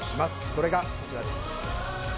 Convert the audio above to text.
それがこちらです。